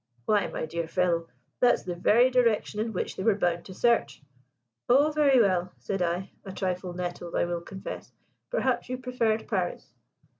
Why, my dear fellow, that's the very direction in which they were bound to search." "Oh, very well," said I a trifle nettled, I will confess "perhaps you preferred Paris!"